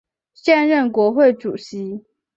现任国会主席。